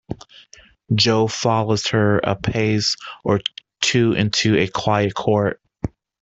Jo follows her a pace or two into a quiet court.